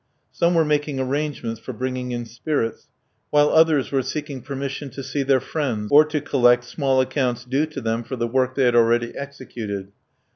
Some were making arrangements for bringing in spirits, while others were seeking permission to see their friends, or to collect small accounts due to them for the work they had already executed.